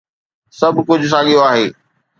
سڀ ڪجهه ساڳيو آهي